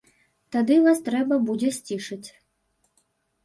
Тады вас трэба будзе сцішыць.